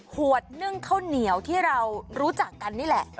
ขวดนึ่งข้าวเหนียวที่เรารู้จักกันนี่แหละ